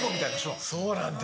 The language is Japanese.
そうなんだ。